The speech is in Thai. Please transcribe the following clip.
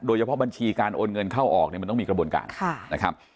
โดยเฉพาะบัญชีการโอนเงินเข้าออกเนี่ยมันต้องมีกระบวนการนะครับ